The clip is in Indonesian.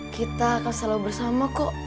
kita akan salam bersama kok